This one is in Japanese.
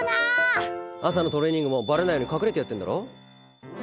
「朝のトレーニングもバレないように隠れてやってんだろ？」